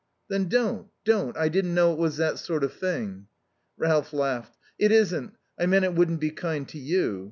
"Then don't don't. I didn't know it was that sort of thing." Ralph laughed. "It isn't. I meant it wouldn't be kind to you.